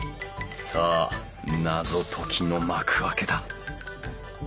さあ謎解きの幕開けだ。